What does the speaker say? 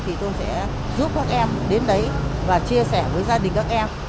thì tôi sẽ giúp các em đến đấy và chia sẻ với gia đình các em